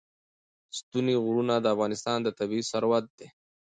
ستوني غرونه د افغانستان طبعي ثروت دی.